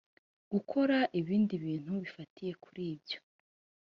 gukora ibindi bintu bifatiye kuri ibyo